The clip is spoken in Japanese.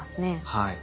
はい。